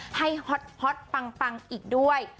ฮอตปังอีกด้วย